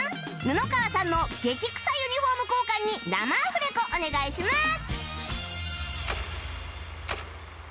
布川さんの激くさユニフォーム交換に生アフレコお願いします！